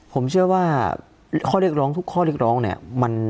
ผมเชื่อว่าข้อเรียกร้องทุกข้อเรียกร้องเนี่ย